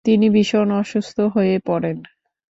তিনি ভীষন অসুস্থ হয়ে পড়েন।